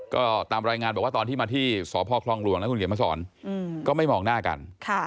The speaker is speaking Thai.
ก็ตามรายงานบอกว่าตอนที่มาที่สพครองรวงนะครับคุณเกดมศรก็ไม่มองหน้ากัน